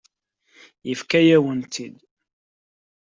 Yefka-yawen-tt-id.